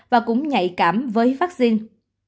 và cũng nhạy cảm với vaccine